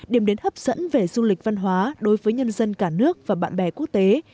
điểm đến hấp dẫn về du lịch văn hóa đối với nhân dân cả nước và bạn bè quốc tế